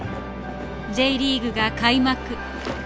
Ｊリーグが開幕。